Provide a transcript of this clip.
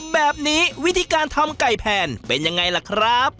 แบบนี้วิธีการทำไก่แผ่นเป็นอย่างไรล่ะครับ